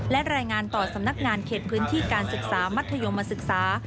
และรายงานต่อสำนักงานเขตพื้นที่การศึกษามัธยมศึกษา